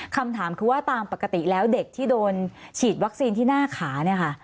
คำถามคือว่าตามปกติแล้วเด็กที่โดนฉีดวัคซีนที่หน้าขาเนี่ยค่ะ